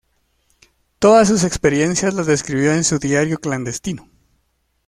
Todas sus experiencias las describió en su "Diario clandestino".